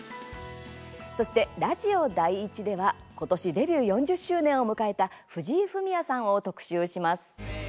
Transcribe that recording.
そして、ラジオ第１では今年デビュー４０周年を迎えた藤井フミヤさんを特集します。